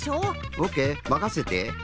オッケーまかせて！